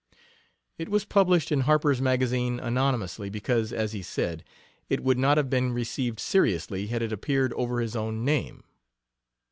It was published in Harper's Magazine anonymously, because, as he said, it would not have been received seriously had it appeared over his own name.